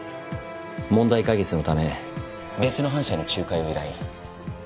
問題解決のため別の反社に仲介を依頼。